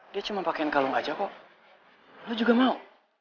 dia cuma pakaian kalung aja kok lo juga mau